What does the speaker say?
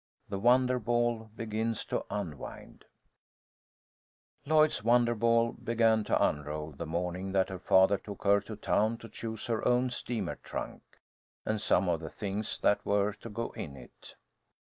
THE WONDER BALL BEGINS TO UNWIND Lloyd's wonder ball began to unroll the morning that her father took her to town to choose her own steamer trunk, and some of the things that were to go in it.